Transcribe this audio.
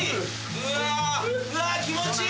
うわ気持ちいい！